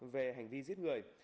về hành vi giết người